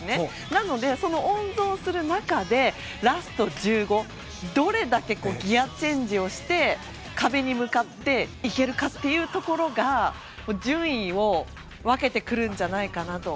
だから温存する中でラスト１５どれだけギアチェンジをして壁に向かっていけるかというところが順位を分けてくるんじゃないかなと。